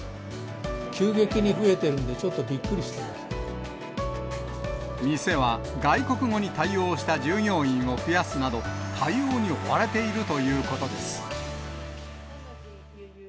急激に増えてるんで、ちょっ店は外国語に対応した従業員を増やすなど、対応に追われているということです。